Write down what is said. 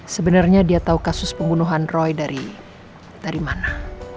sebenarnya dia tahu kasus pembunuhan roy dari mana